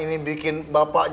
ini bikin bapak